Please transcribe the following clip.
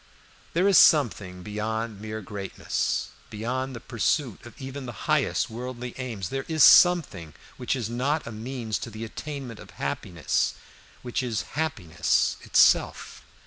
There is something beyond mere greatness, beyond the pursuit of even the highest worldly aims; there is something which is not a means to the attainment of happiness, which is happiness itself.